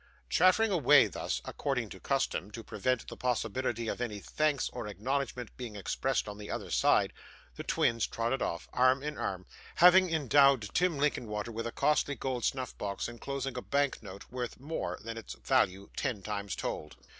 Chattering away thus, according to custom, to prevent the possibility of any thanks or acknowledgment being expressed on the other side, the twins trotted off, arm in arm; having endowed Tim Linkinwater with a costly gold snuff box, enclosing a bank note worth more than its value ten times told.